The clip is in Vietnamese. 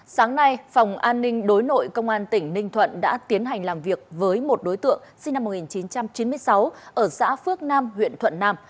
sáng nay phòng an ninh đối nội công an tỉnh ninh thuận đã tiến hành làm việc với một đối tượng sinh năm một nghìn chín trăm chín mươi sáu ở xã phước nam huyện thuận nam